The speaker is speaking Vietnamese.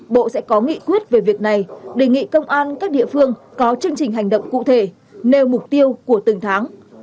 bộ sẽ có nghị quyết về việc này đề nghị công an các địa phương có chương trình hành động cụ thể nêu mục tiêu của từng tháng